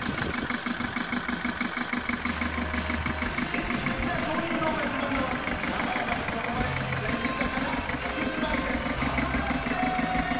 神秘的な鍾乳洞が自慢の町山々に囲まれ自然豊かな福島県田村市です。